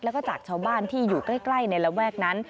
แล้วก็จากชาวบ้านที่อยู่ใกล้ในระแวกนั้น